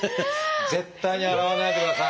絶対に洗わないでください。